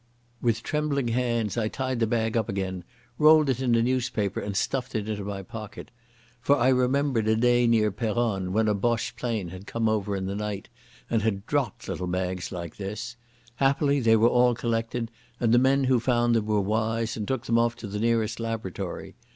With trembling hands I tied up the bag again, rolled it in a newspaper, and stuffed it into my pocket. For I remembered a day near Peronne when a Boche plane had come over in the night and had dropped little bags like this. Happily they were all collected, and the men who found them were wise and took them off to the nearest laboratory.